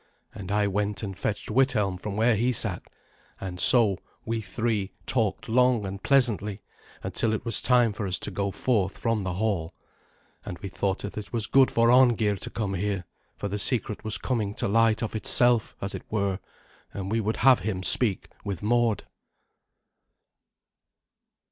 And I went and fetched Withelm from where he sat, and so we three talked long and pleasantly, until it was time for us to go forth from the hall. And we thought that it was good for Arngeir to come here, for the secret was coming to light of itself, as it were, and we would have him speak with Mord.